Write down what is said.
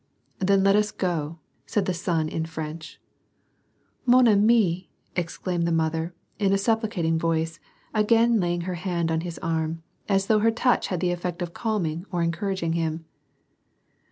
" Then let us go," said the son, in French. ^^ Mon ami/" exclaimed the mother, in an supplicating voice, again laying her hand on his arm, as though her touch had the effect of calming or encouraging him.